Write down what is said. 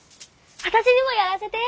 私にもやらせて。